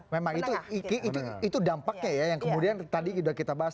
memang itu dampaknya ya yang kemudian tadi sudah kita bahas